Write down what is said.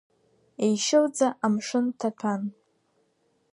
Еишьылӡа амшын ҭатәан.